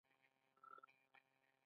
د تور ژیړي واکسین وکړم؟